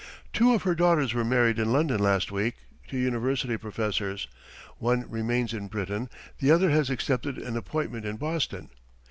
Two of her daughters were married in London last week to university professors, one remains in Britain, the other has accepted an appointment in Boston.